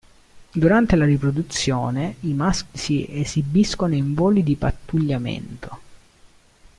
Durante la riproduzione i maschi si esibiscono in voli di pattugliamento.